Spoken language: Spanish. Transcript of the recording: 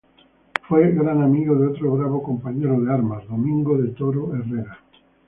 Fue gran amigo de otro bravo compañero de armas, Domingo de Toro Herrera.